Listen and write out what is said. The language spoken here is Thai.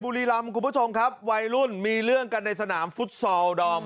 บุรีรำคุณผู้ชมครับวัยรุ่นมีเรื่องกันในสนามฟุตซอลดอม